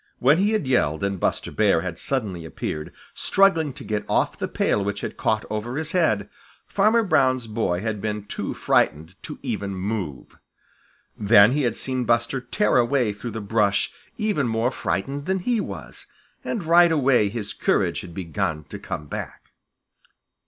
When he had yelled and Buster Bear had suddenly appeared, struggling to get off the pail which had caught over his head, Farmer Brown's boy had been too frightened to even move. Then he had seen Buster tear away through the brush even more frightened than he was, and right away his courage had begun to come back.